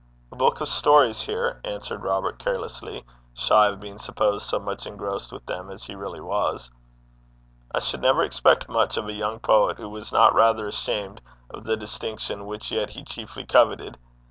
'A buik o' stories, here,' answered Robert, carelessly, shy of being supposed so much engrossed with them as he really was. I should never expect much of a young poet who was not rather ashamed of the distinction which yet he chiefly coveted.